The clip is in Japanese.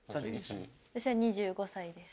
私は２５歳です。